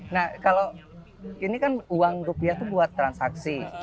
nah kalau ini kan uang rupiah itu buat transaksi